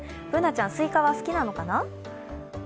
Ｂｏｏｎａちゃん、スイカは好きなのかな？